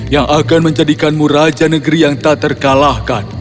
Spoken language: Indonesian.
yang akan menjadikanmu raja negeri yang tak terkalahkan